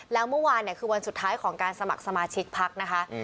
แล้วเมื่อวานเนี่ยคือวันสุดท้ายของการสมัครสมาชิกพักนะคะ